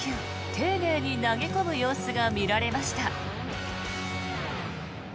丁寧に投げ込む様子が見られました。